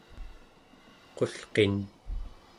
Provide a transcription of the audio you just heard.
qulqin